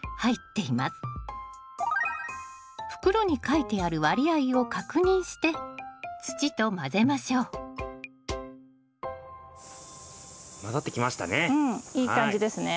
袋に書いてある割合を確認して土と混ぜましょう混ざってきましたね。